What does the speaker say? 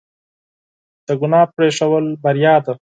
د ګناه پرېښودل بریا ده.